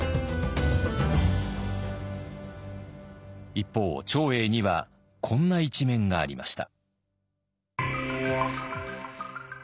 一方長英にはこんな一面がありました。